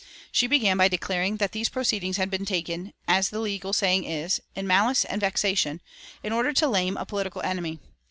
She began by declaring that these proceedings had been taken, as the legal saying is, "in malice and vexation," in order to lame a political enemy.